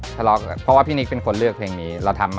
เพราะว่าพี่นิกเป็นคนเลือกเพลงนี้